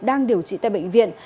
đang điều trị tại bệnh viện